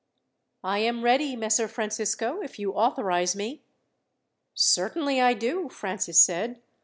"I am ready, Messer Francisco, if you authorize me." "Certainly I do," Francis said.